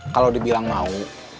kalau dibilang mau